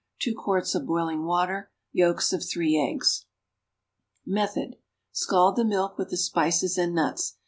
2 quarts of boiling water. Yolks of three eggs. Method. Scald the milk with the spices and nuts.